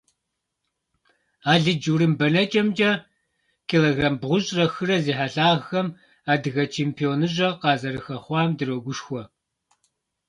Алыдж-урым бэнэкӏэмкӏэ килограмм бгъущӏрэ хырэ зи хьэлъагъхэм адыгэ чемпионыщӏэ къызэрыхэхъуам дрогушхуэ!